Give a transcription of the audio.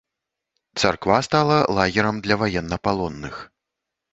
Царква стала лагерам для ваеннапалонных.